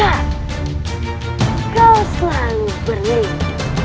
aku lagi menarik